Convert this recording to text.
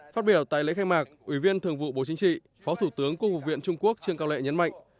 phát biểu tại lễ khai mạc ủy viên thường vụ bộ chính trị phó thủ tướng cung viện trung quốc trương cao lệ nhấn mạnh